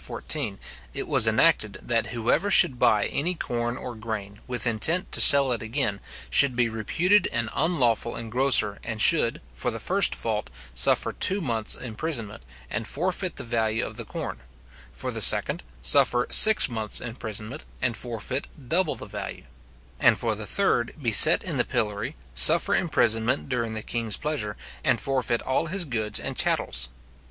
14, it was enacted, that whoever should buy any corn or grain, with intent to sell it again, should be reputed an unlawful engrosser, and should, for the first fault, suffer two months imprisonment, and forfeit the value of the corn; for the second, suffer six months imprisonment, and forfeit double the value; and, for the third, be set in the pillory, suffer imprisonment during the king's pleasure, and forfeit all his goods and chattels.